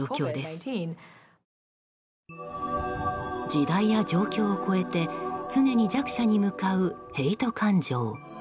時代や状況を超えて常に弱者に向かうヘイト感情。